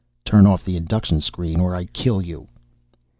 "Turn off the induction screen, or I kill you!"